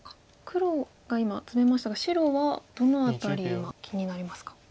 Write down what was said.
黒が今ツメましたが白はどの辺り今気になりますか？